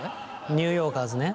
ニューヨーカーズね。